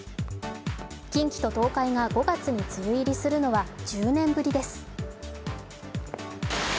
近畿と東海が５月に梅雨入りするのは１０年ぶりです。